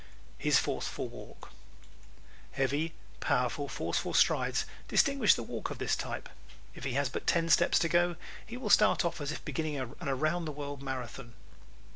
His Forceful Walk ¶ Heavy, powerful, forceful strides distinguish the walk of this type. If he has but ten steps to go he will start off as if beginning an around the world marathon.